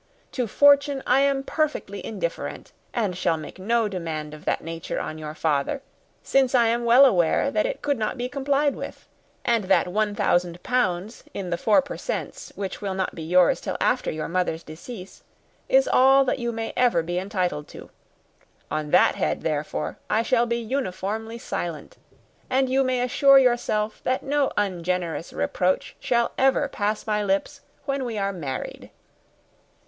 To fortune I am perfectly indifferent, and shall make no demand of that nature on your father, since I am well aware that it could not be complied with; and that one thousand pounds in the 4 per cents., which will not be yours till after your mother's decease, is all that you may ever be entitled to. On that head, therefore, I shall be uniformly silent: and you may assure yourself that no ungenerous reproach shall ever pass my lips when we are married."